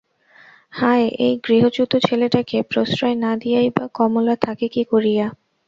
হায়, এই গৃহচ্যুত ছেলেটাকে প্রশ্রয় না দিয়াই বা কমলা থাকে কী করিয়া?